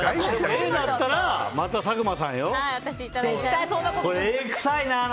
Ａだったらまた佐久間さんよ？